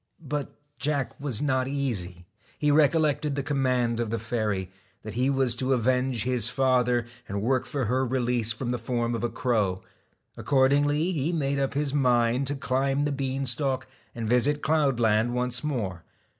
But Jack was not easy. He recollected the command of the fairy, that he was to avenge his father, and work for her release from the form of a crow. Accordingly he made up his mind to climb the bean stalk and visit cloudland once more.